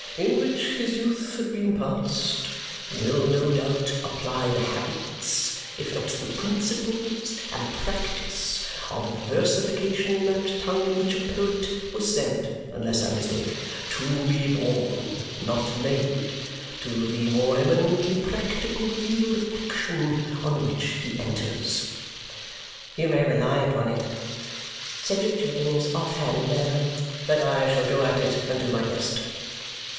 in which his youth had been passed, will, no doubt, apply the habits, if not the principles and practice, of versification in that tongue in which a poet was said (unless I mistake) to be born, not made, to the more eminently practical field of action on which he enters." "You may rely upon it," said Richard in his off hand manner, "that I shall go at it and do my best."